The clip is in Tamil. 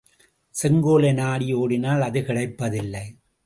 செங்கோலை நாடி ஓடினால் அது கிடைப்பதில்லை!